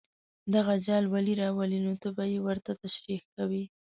دغه جال ولې راولي نو ته به یې ورته تشریح کوې.